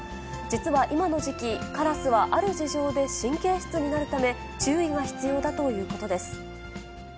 実は今の時期、カラスはある事情で神経質になるため、注意が必要だということです。